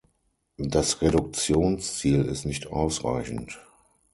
Das Reduktionsziel ist nicht ausreichend.